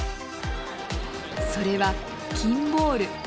それは、キンボール。